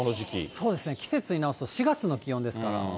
そうですね、季節に直すと４月の気温ですから。